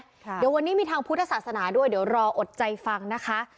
เดี๋ยววันนี้มีทางพุทธศาสนาด้วยเดี๋ยวรออดใจฟังนะคะ